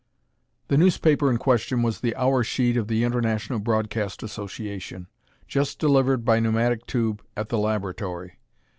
The newspaper in question was the hour sheet of the International Broadcast Association, just delivered by pneumatic tube at the laboratory.